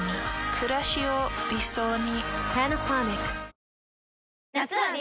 くらしを理想に。